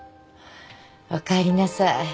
おかえりなさい。